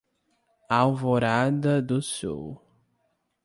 Alvorada do Sul